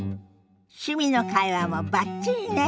趣味の会話もバッチリね。